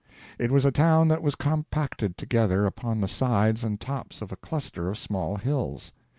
It was a town that was compacted together upon the sides and tops of a cluster of small hills.